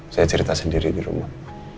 saya cerita sendiri di rumah